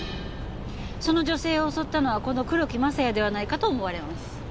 その女性を襲ったのはこの黒木政也ではないかと思われます。